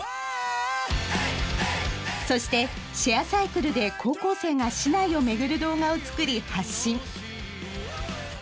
そしてシェアサイクルで高校生が市内を巡る動画を作り発信。